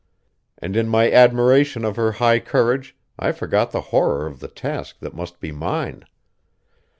And in my admiration of her high courage I forgot the horror of the task that must be mine.